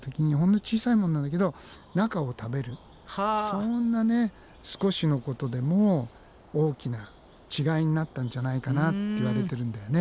そんな少しのことでも大きな違いになったんじゃないかなっていわれてるんだよね。